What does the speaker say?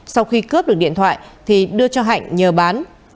sau khi cướp được điện thoại thì đưa cho hạnh nhờ bán